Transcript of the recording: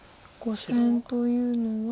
５線というのは。